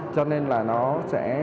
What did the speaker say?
cho nên là nó sẽ tốn